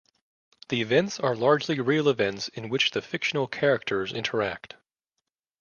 The events are largely real events in which the fictional characters interact.